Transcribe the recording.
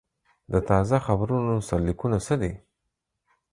د تازه خبرونو سرلیکونه څه دي؟